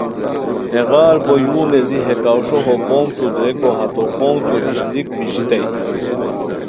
ہیغار ہو یو نیزی ہے کاوݰو ہو پونگتو درئیکو ہتو پونگتو ایشلیک بیژیتائے